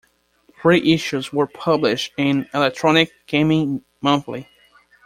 Three issues were published in "Electronic Gaming Monthly".